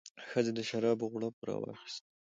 ښځې د شرابو غوړپ راواخیست.